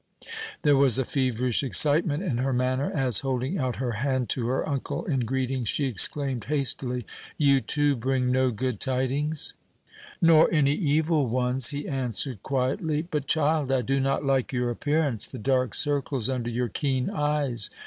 There was a feverish excitement in her manner, as, holding out her hand to her uncle, in greeting, she exclaimed hastily, "You, too, bring no good tidings?" "Nor any evil ones," he answered quietly. "But, child, I do not like your appearance the dark circles under your keen eyes.